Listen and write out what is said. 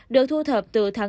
được thu thập từ tháng hai